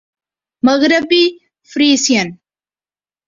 مغربی فریسیئن